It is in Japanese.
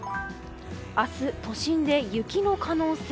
明日、都心で雪の可能性。